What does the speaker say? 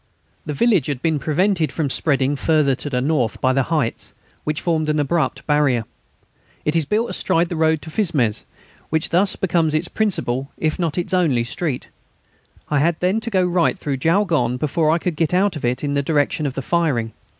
The village had been prevented from spreading further to the north by the heights, which formed an abrupt barrier. It is built astride the road to Fismes, which thus becomes its principal, if not its only, street. I had then to go right through Jaulgonne before I could get out of it in the direction of the firing.